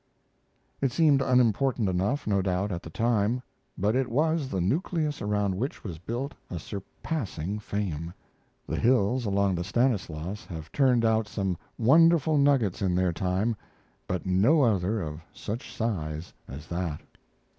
It seemed unimportant enough, no doubt, at the time; but it was the nucleus around which was built a surpassing fame. The hills along the Stanislaus have turned out some wonderful nuggets in their time, but no other of such size as that.